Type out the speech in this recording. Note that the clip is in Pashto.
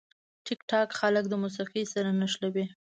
ټیکټاک خلک د موسیقي سره نښلوي.